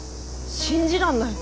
信じらんない。